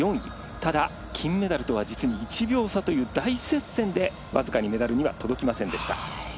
ただ金メダルとは実に１秒差という大接戦で僅かにメダルには届きませんでした。